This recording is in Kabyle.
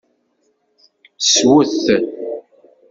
Swet.